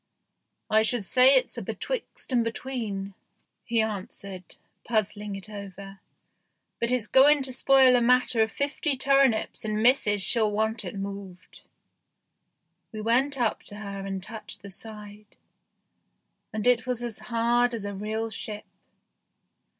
" I should say it's a betwixt and between," 6 THE GHOST SHIP he answered, puzzling it over, " but it's going to spoil a matter of fifty turnips, and missus she'll want it moved." We went up to her and touched the side, and it was as hard as a real ship.